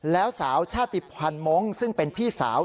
แล้วสาวชาติพันมองซึ่งเป็นพี่สาว